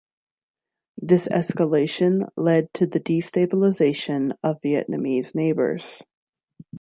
This escalation led to the destabilisation of Vietnamese neighbours.